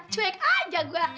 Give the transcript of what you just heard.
cuek aja gua